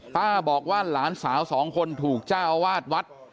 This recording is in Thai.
ป้าบอกว่าหลานสาวสองคนถูกเจ้าอาวาสวัด